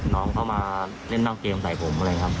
น้องเขามาเล่นนอกเกมใส่ผม